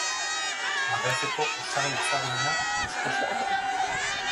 Magrebeko osagai ezagunena Kus-kusa da.